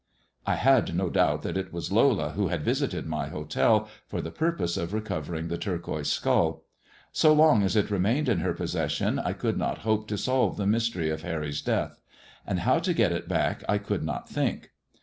I had no doubt that it was Lola who had visited my hotel for the purpose of recovering the tiu'quoise skull. So long as it remained in her possession I could not hope to solve the mystery of Harry's death ; and how to get it back I could not think.